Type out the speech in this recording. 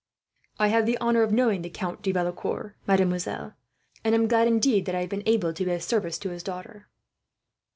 "I have the honour of knowing the Count de Valecourt, mademoiselle; and am glad, indeed, that I have been able to be of service to his daughter.